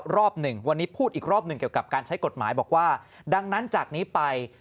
ร์วันป